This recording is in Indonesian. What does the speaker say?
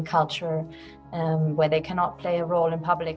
di mana mereka tidak bisa memiliki peran dalam kehidupan publik